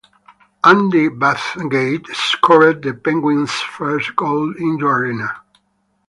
Andy Bathgate scored the Penguins's first goal in the arena.